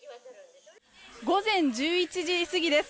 午前１１時過ぎです。